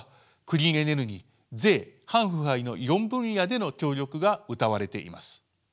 クリーンエネルギー税反腐敗の４分野での協力がうたわれています。